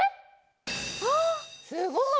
すごい！